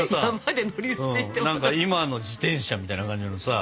今の自転車みたいな感じのさ。